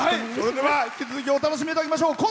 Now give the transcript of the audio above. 引き続きお楽しみいただきましょう。